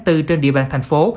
trên địa bàn thành phố